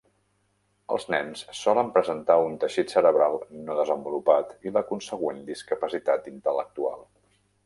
Els nens solen presentar un teixit cerebral no desenvolupat i la consegüent discapacitat intel·lectual.